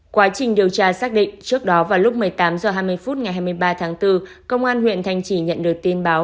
quá trình điều tra xác định trước đó vào lúc một mươi tám h hai mươi phút ngày hai mươi ba tháng bốn công an huyện thanh trì nhận được tin báo